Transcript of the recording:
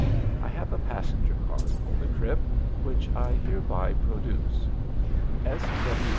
I have a passenger card for the trip, which I hereby produce: S. W.